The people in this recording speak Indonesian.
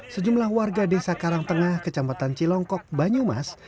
sejumlah warga desa karangtengah kecamatan cilongkok banyumas